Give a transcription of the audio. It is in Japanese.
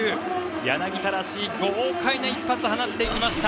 柳田らしい豪快な一発を放っていきました！